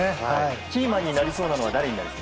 キーマンになりそうなのは誰ですか？